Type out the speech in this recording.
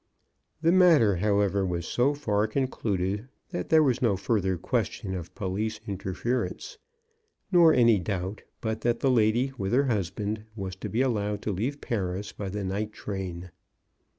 The matter, however, was so far concluded that there was no further question of police interference, nor any doubt but that the lady, with her husband, was to be allowed to leave Paris by the night train.